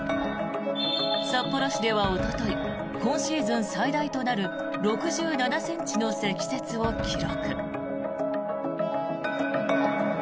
札幌市ではおととい今シーズン最大となる６７ｃｍの積雪を記録。